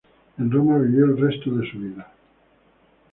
En Roma vivió el resto de su vida.